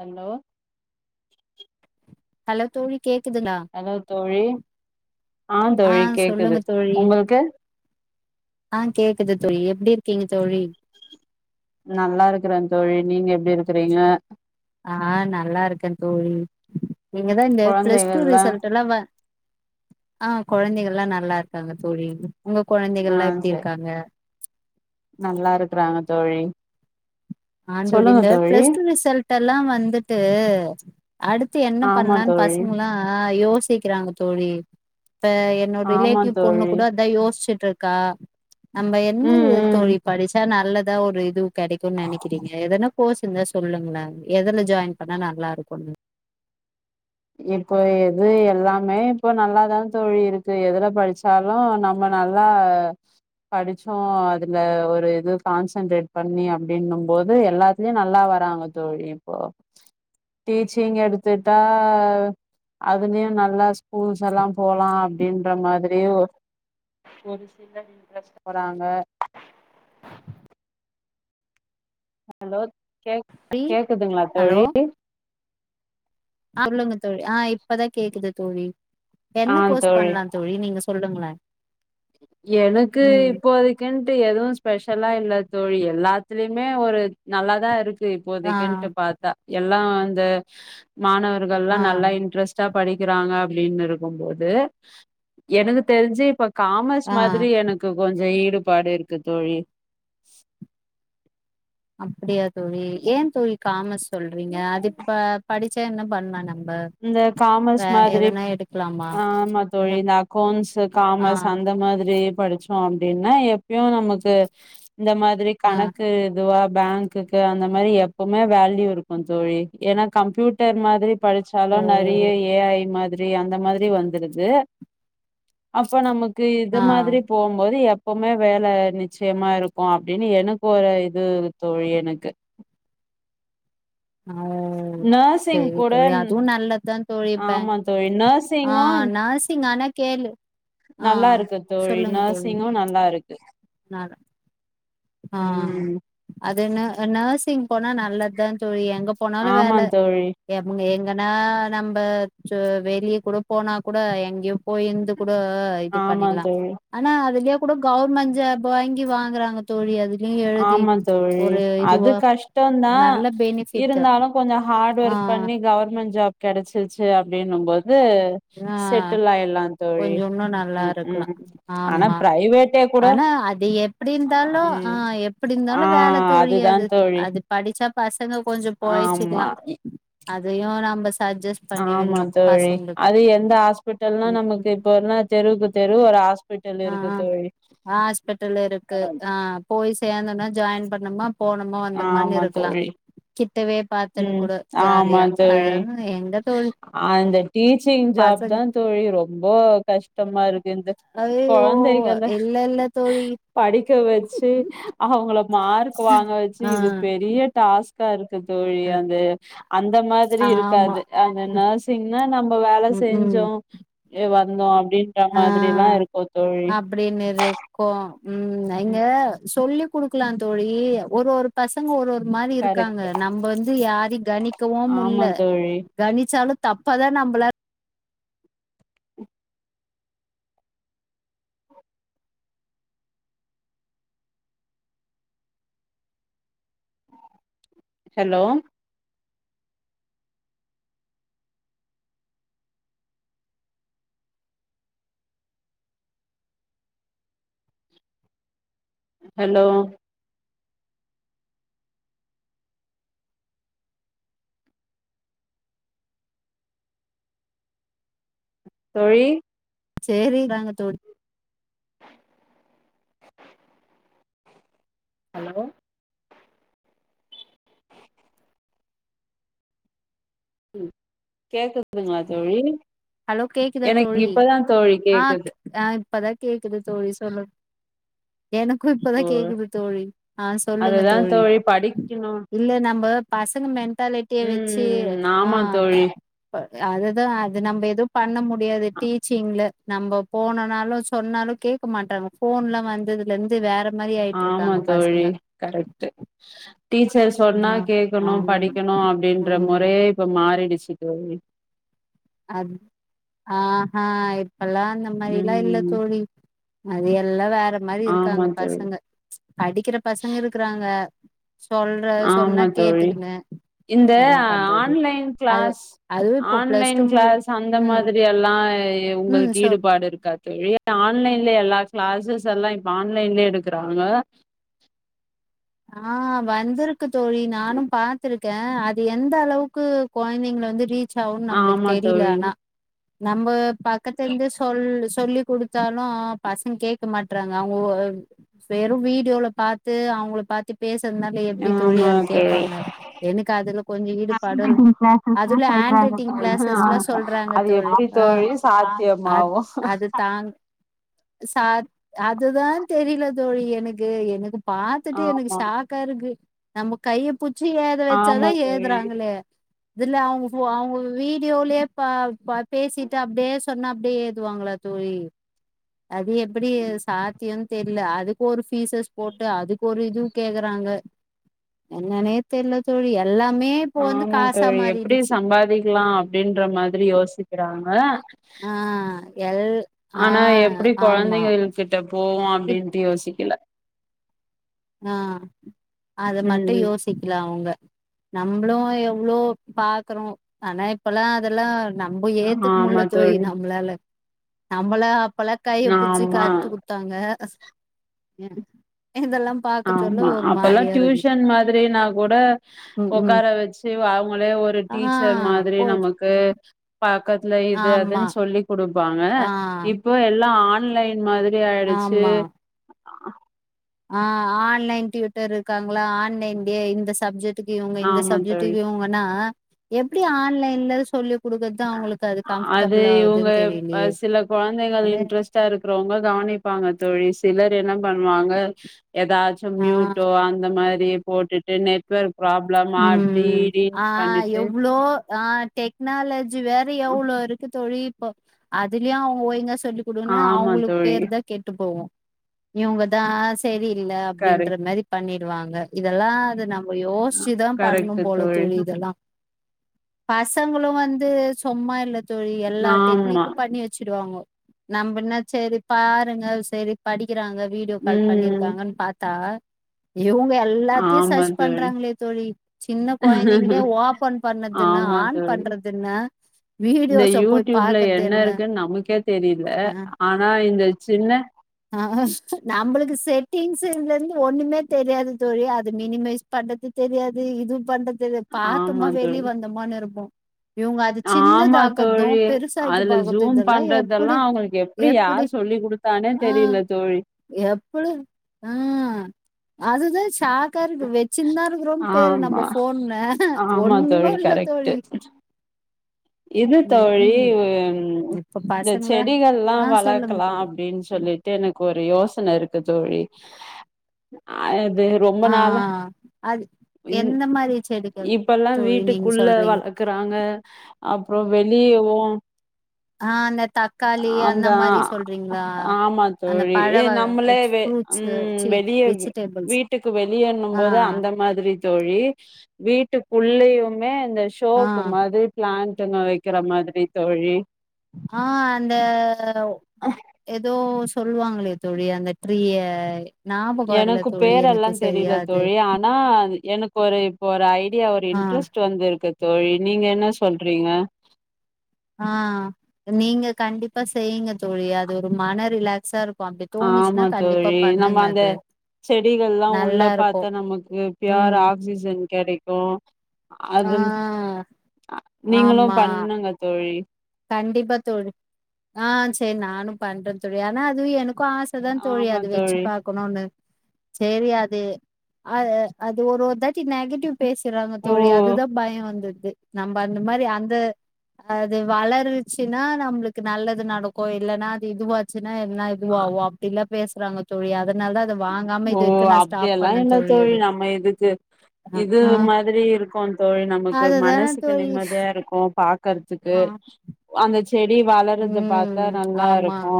Hello hello தோழி கேக்குதுங்ளா hello தோழி ஆ தோழி கேக்குது சொல்லுங்க தோழி உங்களுக்கு ஆ கேக்குது தோழி எப்டி இருக்கீங்க தோழி நல்லா இருக்கிறே தோழி நீங்க எப்டி இருக்கிறீங்க ஆ நல்லா இருக்க தோழி நீங்கதா இந்த பிளஸ் டூ கொழந்தைகள்லா ரிசல்ட் எல்லா வ ஆ கொழந்தைகள்ல்லா நல்லா இருக்காங்க தோழி உங்க ஆ குழந்தைகள்ல்லா எப்டி சரி இருக்காங்க நல்லா இருக்குறாங்க தோழி சொல்லுங்க ஆண்டோலில்ல தோழி பிளஸ் டூ ரிசல்ட்ட எல்லா வந்துட்டு அடுத்து என்ன ஆமா பண்லான்னு தோழி பசங்களா யோ சிக்கிறாங்க தோழி இப்ப என்னோட ஆமா ரிலேட்டிவ் பொண்ணு தோழி கூட அதா யோசிச்சுட்டு இருக்கா நம்ப ம் என்னது ம் தோழி படிச்சா நல்லதா ஒரு இது கிடைக்குனு நெனைக்கிறீங்க எனா கோர்ஸ் இருந்தா சொல்லுங்களா எதுல ஜாயின் பண்ணா நல்லா இருக்குனு இப்போ எது எல்லாமே இப்போ நல்லாதா தோழி இருக்கு எதுல படிச்சாலு நம் ம்ம நல்லா படிச்சோ அதுல ஒரு இது கான்சென்ட்ரேட் பண்ணி அப்டின்னும் போது எல்லா த்திலியு நல்லா வராங்க தோழி இப்போ டீச்சிங் எடுத்துட்டா அ அதுலயு நல்லா ஸ்கூல்ஸ் எல்லா போலா அப்டின்ற மாதிரியு ஒரு சிலர் இன்ட்ரெஸ்ட் வராங்க ஹலோ கேக் ழி கேக்குதுங்களா ஹலோ தோழி சொல்லுங்க தோழி ஆ இப்பதா கேக்குது தோழி என்ன கோர்ஸ் பண்லா தோழி நீங்க சொல்லுங்ளே எனக்கு இப்போதை குன்ட்டு எதுவு ஸ்பெஷலா இல்ல தோழி எல்லாத்லயுமே ஒரு நல்லாதா இருக் க்கு ஆ இப்போதைக்குன்டு பாத்தா எல்லா அந்த மாணவர்கள்ல்லா ஆ நல்லா இன்ட்ரெஸ் சாப்பாடு விக்கிறாங்க அப்டின் இருக்கும் போது எனக்கு தெரிஞ்சி இப்ப காமர்ஸ் ஆ மாதிரி எனக்கு கொஞ்சோ ஈடுபாடு இருக்கு தோழி அப்டியா தோழி ஏ தோழி காமஸ் சொல்றீங்க அது இப்ப படிச்சா என்ன பண்லா நம்ப இந்த காமர்ஸ் மாதிரி எடுக்லாமா ஆமா தோழி இந்த அக்கவுன்ஸூ ஆ காமர்ஸ் அந்த மாதிரி படிச் அப்டின்னா எப்பயோ நமக்கு இந்த மாதிரி ஆ கணக்கு இதுவா பேங்க்குக்கு அந்த மாரி எப்பவுமே வேல்யூ இருக்கு தோழி ஏனா கம்ப்யூட்டர் மாதிரி படிச் இப்பலா ஓ நெறய ஏ ஐ மாதிரி அந்த மாதிரி வந்துருது அப்ப நமக் கு இத ஆ மாதிரி போம்போது எப்போமே வேல நிச்சயமா இருக்கு அப்டின்னு எனக்கு ஒரு இது தோழி எனக்கு ஆ அ நர்சிங் சரி கூட தோழி அதுவு நல்லதுதா தோழி இப்ப ஆமா தோழி ஆ நர்சிங்கு நர்ஸ் தினானா கேளு ஆ நல்லா இருக்கு தோழி சொல்லுங்க தோழி நர்சிங்கு நல்லா இருக்கு நா ஆ ம் அது ந நர்சிங் போனா நல்லதுதா தோழி எங்க போனாலு ஆமா வேல தோழி எம்க எங்கன்னா நம்ப சு வெளிய கூட போனா கூட எங்க்யோ போயிருந்து கூட ரைட்டு ஆமா பண்ணிட்லா தோழி ஆனா அதுலே கூட கவுவர்மெண்ட் ஜாப் வாங்கி வாங்குறாங்க தோழி அதுலயு எழுதி ஆமா தோழி ஒரு அது இதுவா கஷ்டந்தா நல்ல பெனிஃப் இருந்தாலு கொஞ்சோ ஹார்ட் ஒர்க் பண்ணி கவர்மெண்ட் ஜாப் கெடைச்சிருச்சு அப்டின்னும் போது ஆ செட்டில் ஆயிட்லா தோழி கொஞ்சோ இன்னு நல்லா ம் இருக்லா ம் ஆனா ஆமா பிரைவேட்டே கூட ஆனா அத எப் எப்டி இருந்தாலு அ ம் எப் எப்டி ஆ இருந்தாலு வேல தோழி அதுதா அது தோழி அது படிச்சா பசங்க கொஞ்சோ ஆமா பொழச்சிக்லா அதயு நம்ப சஜ்ஜஸ் ஆமா தோழி அது எந்த ஹாஸ்பிடல்ன்னு நமக்கு ம் இப்ப என்ன தெருவுக்கு தெரு ஒரு ஹாஸ் ஹாஸ்பி ஆ ஆ ஹாஸ்பிட்டல் இருக்கு ஆ போய் சேந்தோனா ஜாயின் பண்ணோமா போனோமா வந்தமானு ஆமா இருக்லா தோழி கிட்டவே பாத்துன்னு ம் கூட ஆமா ஜாலியா தோழி அதாவது எங்க தோழி அந்த டீச்சிங் ஜாப் பசங்க தா தோழி ரொம்ப கஷ்டமா இருக்கு இந்த அது ஓ கொழந்தைகள இல்ல இல்ல தோழி படிக்க வச்சு அவங்கள மார்க் வாங்க வச்சு ஆ இது பெரிய டாஸ்க்கா இருக்கு தோழி அந்து அந்த மாதிரி ஆமா இருக்காது அந்த நர்சிங்னா நம்ம வேல ம் ம் செஞ்சோ ஏ வந்தோ அப்டின்ட மாதிரிலா இருக்கு தோழி அப்டின்னு இருக்கோ ம் இங்க சொல்லி குடுக்லா தோழி ஒரு ஒர் பசங்க ஒரு ஒரு மாரி இருக்காங்க கரெக்ட் நம்ப வந்து யாரையு கணிக்கவு ஆமா முட்ல தோழி கணிச்சாலு தப்பா தா நம்பள ஹலோ ஹலோ தோழி சேரி தாங்க தோழி ஹலோ கேக்குதுங்ளா தோழி ஹலோ கேக்குதா எனக்கு தோழி இப்பதா தோழி ஆ கேக்குது ஆ இப்பதா கேக்குது தோழி சொல்லுங் எனக்கு இப்பதா ஓ கேக்குது தோழி ஆ சொல்லுங்க அதுதா தோழி படிக்கணு இல்ல நம்ப பசங்க மெண்ட்டாலிட்டிய வச்சி ம் ஆ ஆமா தோழி அதுதா அது நம்ப எது பண்ண முடியாது டீச்சிங்ல நம்ப போனனாலு சொன்னாலு கே க்க மாட்றாங்க ஃபோன்லா வந்ததுலந்து வேற மாரி ஆய்ட்ருக்காங்க பசங்க கரெக்ட்டு டீச்சர் சொன்னா ஆ ஆ கேக்கனு படிக்கனு அப்டின்ற ம் மொறையே இப்ப மாறிடிச்சி தோழி அத் ஆஹா இப்பல்லா அந்த மாரில்லா இல்ல ம் தோழி அது எல்லா வேற மாரி ஆமா இருக்காங்க தோழி பசங்க படிக்கிற பசங்க இருக்றாங்க சொல்ற சொன்னா ஆமா தோழி கேட்டுக்குனு இந்த என்ன பண்றது ஆன்லைன் அது கிளாஸ் அதுவு இப்போ பிளஸ் ஆன்லைன் டூ மு கிளாஸ் அந்த ம் மாதிரி எல்லா ம் உங்களுக்கு ஈடு சொல் பாடு இருக்கா தோழி ஆன்லைன்ல எல்லா கிளாசஸ் எல்லா இப்ப ஆன்லைன்லே எடுக்குறாங்க ஆ வந்திருக்கு தோழி நானு பாத்துரு க்கே அது எந்தளவுக்கு கொழ்ந்தைங்ள வந்து ரீச்சாவுன் நம்ளுக் ஆமா தெரில தோழி ஆனா நம்ப பக்கத்துலந்து சொல் சொல்லிக்குடு த்தாலு‌ பசங்கேக்க மாட்றாங்க அவுங்க வெறு வீடியோல பாத்து அவுங்கள பாத் பேசற்னால எப்டி தோழி ஆமா அது தோழி கேப்பாங்க எனக்கு அதுல கொஞ்சொ ஈடுபாடு அதுல ஆண்ட் ரட்டிங் கிளாஸஸ்லா சொல்றாங்க அது தோழி எப்டி ஆ தோழி அ சாத்தியமாவு அது தாங் ச அதுதா தெரில தோழி எனக்கு எனக்கு பாத்துட்டு எனக்கு ஆமா ஷாக்காருக்கு நம்ப கைய புச்சி ஏத வச்சாதா ஆமா தோழி ஏதுறாங்களே இதுல அவுங்க ஃபோ அவுங்க வீடியோலே ப ப பேசிட்டு அப்டே சொன்னா அப்டே ஏதுவாங்களா தோழி அது எப்டி சாத்தியோன் தெர்ல அதுக்கு ஒரு ஃபீசஸஸ் போட்டு அதுக்கு ஒரு இது கேக்கறாங்க என்னென்னே தெர்ல தோழி எல்லாமே இப்போ வந்து ஆமா காசா தோழி எப்டி மாறிடுச்சு சம்பாதிக்லா அப்டின்ற மாரி யோசிக்கிறாங்க ஆ எல் ஆ ஆனா எப்டி ஆமா கொழந்தைகள் கிட்ட போவு இப் அப்டின்ட்டு யோசிக்கல ஆ அத மட்டு ம் யோசி க்ல அவுங்க நம்ளு எவ்ளோ பாக்குறோ ஆனா இப்பல்லா அதல்லா நம்ப ம் ஏத்துக் முல்ல ஆமா தோழி நம்ளால நம்பள அப்பல்லா கைய புச்சி ஆமா கத்து கு த்தாங்க இதெல்லா பாக்க சொல்ல ஆமா ஒரு அப்பல்லா மாரியா இருக்கு டியூஷன் மாதிரினா கூட ம் ம் ஒக்கார வச்சு அவுங்களே ஒ ரு ஆ டீச்சர் மாதிரி போயிட்டு நமக்கு பக்கத்ல இது ஆமா அதுன் சொல்லி குடுப்பாங்க ஆ இப்போ எல்லா ஆன்லைன் மா ரி ஆய்ருச்சு ஆமா ஆ ஆன்லைன் டியூட்டர்ருக்காங்களா ஆன்லைன்லே இந்த சப்ஜெ க்ட்டு இவுங்க இந்த ஆமா தோழி சப்ஜெக்ட்டுக்கு இவுங்கனா எப்டி ஆன்லைன்ல சொல்லி குடுக்கற்தா அவுங்களுக்கு அது அது கம்ஃபர்டபுள் இவங்க ஆவுதுன்னு தெரியிலையே [inaudible] ச்ச இருக்கிறவங்க கவனிப்பாங்க தோழி சிலர் என்ன பண்ணுவாங்க ஏதாச் சு ஆ மியூட்டோ அந்த மாரி போட்டுட்டு நெட்ஒர்க் ப்ராப் ம் ஆ எவ்வளோ ஆ டெக் னாலஜி வேற எவ்வளோ இருக்கு தோழி இப்ப அதுலயு அவுங்கங்க ஒய்ங்க சொல்லி குடுக்கனு ஆமா அவுங்களுக்கு தோழி பேருதா கேட்டு போவு இவுங்கதா செரியில்ல அப்டின்ற கரெக்ட் மெரி பண்ணிடுவாங்க இதெல்லா அது நம்ப யோசிச்சுதா பண்ணு போல தோழி இத யெல்லா பசங்களு வந்து சும்மா இல்ல தோழி எல்லா ஆமா டெக்னிக்கு பண்ணி வெச் சிவாங்க நம்ம என்ன செரி பாருங்க செரி படிக்கிறாங்க வீடியோ கால் ம் பண்ணிருக்காங்கன்னு பாத்தா இவுங்க எல்லாத்தையு ஆமா சர்ச் தோழி பண்றாங்களே தோழி சின்ன கொழந்தைங்களே ஓப்பன் பண்ணுதுன்ன ஆமா ஆன் தோழி பண்றதென்ன இந்த யூடியூப்ல என்ன இருக்குன்னு நமக்கே தெரியில ஆ ஆனா இந்த சின்ன ஆ நம்மளுக்கு செட்டிங்ஸ்ஸு இதுல இருந்து ஒண்ணுமே தெரியாது தோழி அது மினிமைஸ் பண்றது தெரியாது இது பண்றது தெரியாது பத்தமா ஆமா தோழி வெளியே வந்தோமனு இருப்போ இவுங்க அது ஆமா சின்னதாக்கது தோழி பெருசாக்கி பாக்குது இதெல்லா எப்புடி இப்டி எப்புடி? யார் சொல்லி் குடுத்தானே தெரியில தோழி எப்டி ஆ அதுதா சாக்கருக்கு வெ சின்தா இருக்கிறோன்னு பேரு நம்ம ஆமா ஃபோன்ன ஆமா ஒன்னு தோழி இல்ல கரெக்ட் தோழி இது ம், தோழி ம். ம் இப்ப இந்த பசங்கள செடிகள் எல்லா ஆ சொல்லுங்க வளக்கலா தோழி. அப்டின்னு ம். சொல்ட் டு எனக்கு ஒரு யோசன இருக்கு தோழி அது ரொம்ப ஆ நாளா அது இந் எந்த மாரி செடிகள் இப்பல்லா தோழி நீங்க வீட்டுக்குள்ள சொல்றீங்க? வள க்குறாங்க அப்பறோ வெளியோவு ஆ அந்த தக்காளி அந்த மாரி அ சொல்றீங்களா ஆமா அந்த தோழி பழ ஏ வக நம்மளே வெ ஃப்ரூட்ஸு ம் சி வெளியே வெஜிடேபிள்ஸ் வீட்டுக்கு வெளியனு ஆ போது அந்த மாதிரி தோழி வீட்டுக்குள்ளயுமே இந்த ஆ ஷோக்கு மாரி பிளான்டங்க வைக்கிற மாதிரி தோழி ஆ அந்த ஏதோ சொல்லுவாங்களே தோழி அந்த ட்ரீய ஞாபகோ வரல எனக்கு தோழி பேரெல்லா எனக்கு சரியா தெரியில அது தோழி ஆனா எனக்கு ஒரு இப்போ ஒரு ஐடியா ஒரு ஆ இன் டெரெஸ்ட் வந்திருக்கு தோழி நீங்க என்ன சொல்றீங்க ஆ நீங்க கண்டிப்ப பா செய்யுங்க தோழி அது ஒரு மன ரிலாக்ஸா இருக்கு அப்டி தோணிச்சுன்னா கண்டிப்பா பண்ணுங்க அது செடிகள்ளா நல்லா உள்ள இருக்கு பாத்தா நமக்கு பியர் ம் ஆக்சிஜன் கெடைக்கு ஆ அது அ நீங்களு ஆமா பண்ணுங்க தோழி கண்டிப்பா தோழி ஆ செர் நானு பண்றே தோழி ஆனா அது எனக்கு ஆ சதா தோழி ஆமா அது வச்சு தோழி பாக் குணுன்னு செரி அது அ அது ஒரு ஒரு தாட்டி நெகட்டிவ் பேசுறாங்க ஓ தோழி அதுதா பயோ வந்துர்து நம்ம அந்த மாரி அந்த அது வளருச்சுன்னா நம்மளுக்கு நல்லது நடக்கு இல்ன்னா அது இதுவ ச்சுனா எல்லா இதுவாகு அப்டிலா பேசுறாங்க தோழி அதனால தா அத வாங்காம ஓ இது இருக்கு நா ஸ்டாப் அப்டியெல்லா பண்ணே இல்ல தோழி அது நம்ம இதுக்கு அ இது ஆ மாதிரி இருக்கு தோழி நமக்கு அதுதானே மனசுக்கு தோழி நிம்மதியா இருக்கு பாக் கர்துக்கு ஆ அந்த செடி வளர்றது பாக்கா ம் நல்லா ஆமா இருக்கு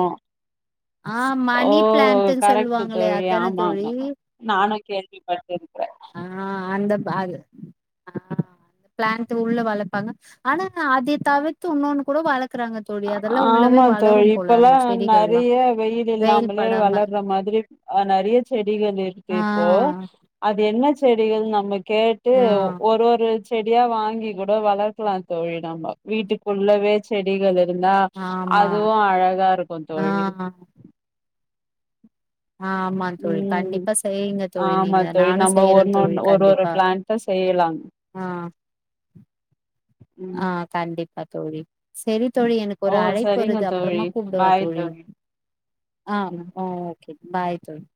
ஆ ஓ மணி பிளான்ட்ன்னு கரெக்ட்டு சொல்லுவாங்களே தோழி அதானே ஆம் ஆமா தோழி நானு கேள்விப்பட்டிருக்கிறே ஆ அந்த பாது ஆ பிளான்ட்டு உள்ள வளர்ப்பாங்க ஆனா அதே தவிர்த்து உன்னொன்னு கூட வளக் க்குறாங்க தோழி அதெல்லா உள்ளவே ஆமா தோழி வளரும் போல இப்பல்லா அந்த செடிகள்லா நெறைய வெயில் வெயில் இல்லாமலே படாம வளர்ற மாதிரி ஆ நெறைய செடிகள் இருக்கு ஆ இப்போ அது என்ன செடிகள்னு நம்ம கேட்டு ஆ ஒரு ஒரு செடியா வாங்கி கூட வளர்க்கலா தோழி நம்ம வீட்டுக்குள்ளவே செடிகளு இருந்தா ஆமா அதுவு அழகா இருக்கு ஆ தோழி ஆமா தோழி ம் கண்டிப்பா செய்யுங்க தோழி ஆமா நீங்க தோழி நானு நம்ம செய்யறே ஒன்னொன் தோழி ஒரு ஒரு கண்டிப்பா பிளான் ட்டா செய்யலாங் ஆ ஆ ம் கண்டிப்பா தோழி சேரி தோழி எனக்கு ஓ ஒரு அழைப்பு சரிங்க வருது தோழி அப்றமா கூப்டவா பாய் தோழி ஆ ம் ஆ ஓகே பாய் தோழி